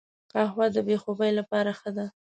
قهوه د بې خوبي لپاره ښه ده